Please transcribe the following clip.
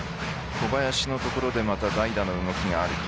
小林のところでまた代打の動きがあるか。